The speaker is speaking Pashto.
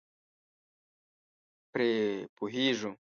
پرې پوهېږو.